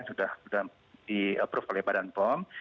sudah di approve oleh badan pom